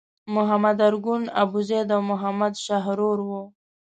محمد ارګون، ابوزید او محمد شحرور وو.